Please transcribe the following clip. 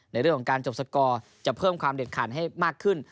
ในเรื่องของการจบสกอร์จะเพิ่มความเด็ดขาดให้มากขึ้น